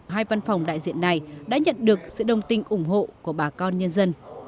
hai văn phòng đại diện này đã nhận được sự đồng tình ủng hộ của bà con nhân dân